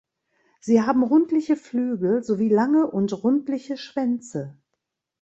Sie haben rundliche Flügel sowie lange und rundliche Schwänze.